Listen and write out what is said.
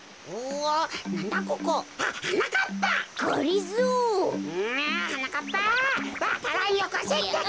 わか蘭よこせってか！